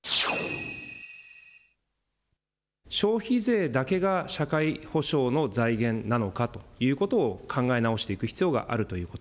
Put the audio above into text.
消費税だけが社会保障の財源なのかということを考え直していく必要があるということ。